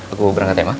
aku berangkat ya ma